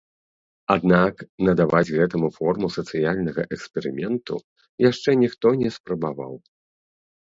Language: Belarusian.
Аднак надаваць гэтаму форму сацыяльнага эксперыменту яшчэ ніхто не спрабаваў.